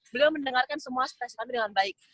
beliau mendengarkan semua spesifikasi dengan baik